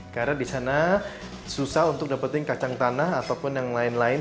karena disana susah untuk dapetin kacang tanah ataupun yang lain lain